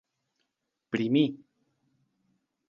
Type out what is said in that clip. Pri mi!